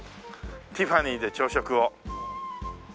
『ティファニーで朝食を』